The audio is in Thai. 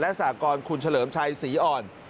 สากรคุณเฉลิมชัยศรีอ่อน